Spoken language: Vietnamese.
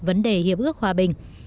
vấn đề hiệp ước hòa bình